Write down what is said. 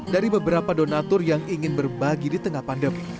dari beberapa donatur yang ingin berbagi di tengah pandemi